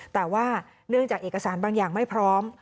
แต่ว่าเนื่องจากเอกสารบางอย่างไม่พร้อม